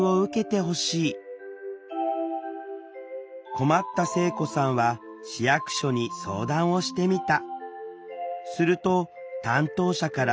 困った聖子さんは市役所に相談をしてみた。